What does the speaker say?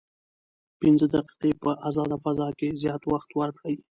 پنځه دقیقې په ازاده فضا کې زیات وخت ورکړئ.